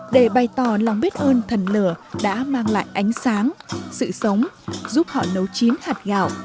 để bày tỏ lòng biết ơn thần lửa đã mang lại ánh sáng sự sống giúp họ nấu chín hạt gạo